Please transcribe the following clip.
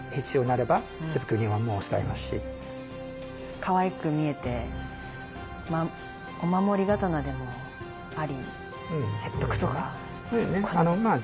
かわいく見えてお守り刀でもあり切腹とか。